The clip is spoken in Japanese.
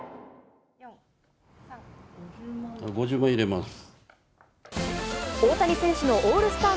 ５０万入れます。